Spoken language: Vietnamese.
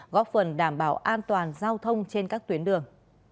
góp phần đảm bảo an toàn giao thông trên các tuyến đường